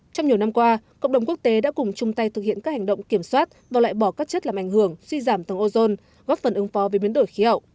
trong nhiều năm qua cộng đồng quốc tế đã cùng chung tay thực hiện các hành động kiểm soát và loại bỏ các chất làm ảnh hưởng suy giảm tầng ozone góp phần ứng phó với biến đổi khí hậu